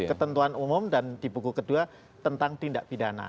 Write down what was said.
ketentuan umum dan di buku kedua tentang tindak pidana